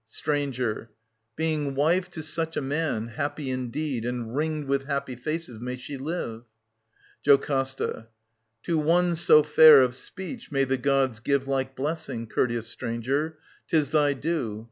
Stranger. Being wife to such a man, happy indeed And ringed with happy faces may she live ! Jocasta. To one so fair of speech may the Gods give Like blessing, courteous stranger ; 'tis thy due.